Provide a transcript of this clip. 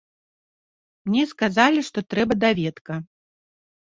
Мне сказалі, што трэба даведка.